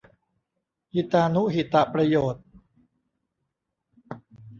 หิตานุหิตประโยชน์